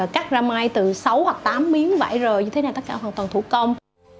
cắt ra mai từ sáu hoặc tám miếng vải rồi như thế này tất cả hoàn toàn thủ công